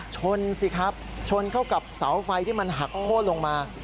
ชนสิครับชนเข้ากับเสาไฟที่มันหักโค้นลงมา